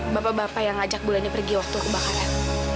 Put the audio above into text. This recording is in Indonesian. bapak bapak yang ngajak bulannya pergi waktu kebakaran